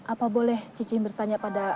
apa boleh cici bertanya pada